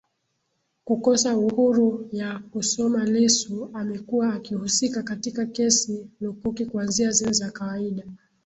kukosa uhuru ya kusomaLissu amekuwa akihusika katika kesi lukuki kuanzia zile za kawaida